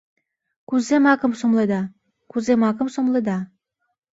Кузе макым сомледа, кузе макым сомледа?